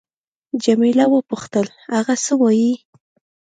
جميله وپوښتل: هغه څه وایي؟